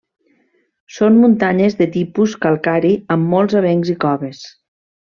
Són muntanyes de tipus calcari amb molts avencs i coves.